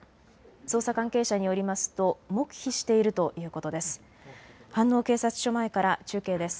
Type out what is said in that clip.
捜査関係者によりますと黙秘しているということです。